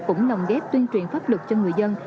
cũng lồng ghép tuyên truyền pháp luật cho người dân